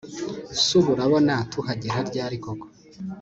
subu urabona tuhagera ryari koko